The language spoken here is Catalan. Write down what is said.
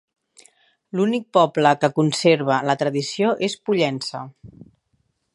L'únic poble que conserva la tradició es Pollença.